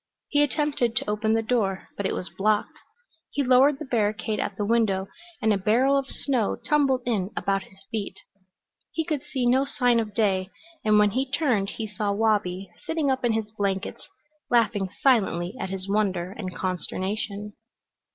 He attempted to open the door, but it was blocked. He lowered the barricade at the window, and a barrel of snow tumbled in about his feet. He could see no sign of day, and when he turned he saw Wabi sitting up in his blankets, laughing silently at his wonder and consternation.